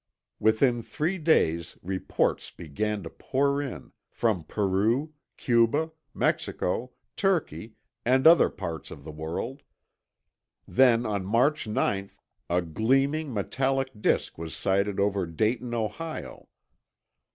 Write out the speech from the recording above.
Within three days, reports began to pour in—from Peru, Cuba, Mexico, Turkey, and other parts of the world. Then on March 9 a gleaming metallic disk was sighted over Dayton, Ohio.